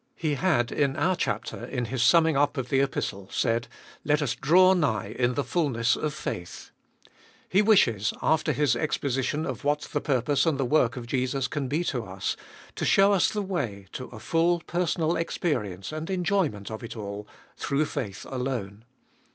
He had in our chapter, in his summing up of the Epistle, said : Let us draw nigh in the fulness of faith. He wishes, after his exposition of what the purpose and the work of Jesus can be to us, to show us the way to a full personal experience and enjoyment of it all, through faith alone.